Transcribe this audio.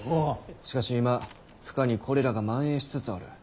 しかし今府下にコレラが蔓延しつつある。